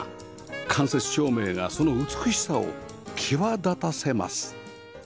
間接照明がその美しさを際立たせます